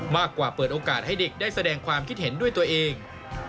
มากกว่าเปิดโอกาสให้เด็กได้แสดงความคิดเห็นด้วยตัวเอง